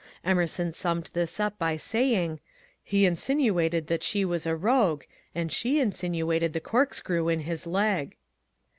Emerson summed this up by saying, " He insinuated that she was a rogue, and she insinuated the cork screw in his leg."